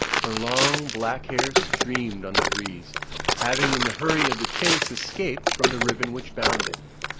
Her long black hair streamed on the breeze, having in the hurry of the chase escaped from the ribbon which bound it.